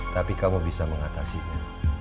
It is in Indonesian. tapi kamu bisa mengatasinya